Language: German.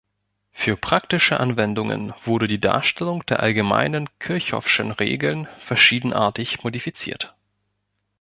Für praktische Anwendungen wurde die Darstellung der allgemeinen kirchhoffschen Regeln verschiedenartig modifiziert.